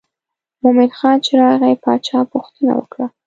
مومن خان چې راغی باچا پوښتنه وکړه.